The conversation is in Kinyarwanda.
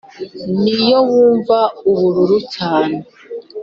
niyo wumva ubururu cyane